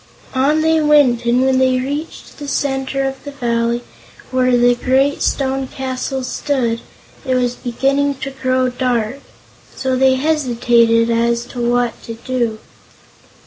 On they went, and when they reached the center of the valley, where the great stone castle stood, it was beginning to grow dark. So they hesitated as to what to do.